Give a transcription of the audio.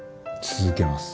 続けます。